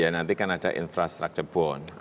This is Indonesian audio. ya nanti kan ada infrastruktur yang akan dihubungkan